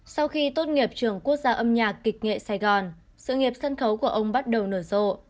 sau khi tốt nghiệp trường quốc gia âm nhạc kịch nghệ sài gòn sự nghiệp sân khấu của ông bắt đầu nở rộ